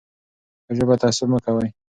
په ژبه تعصب مه کوئ.